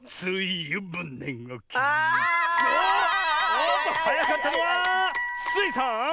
おっとはやかったのはスイさん！